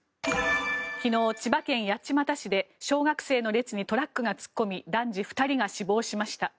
昨日、千葉県八街市で小学生の列にトラックが突っ込み男児２人が死亡しました。